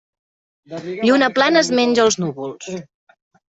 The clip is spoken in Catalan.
Lluna plena es menja els núvols.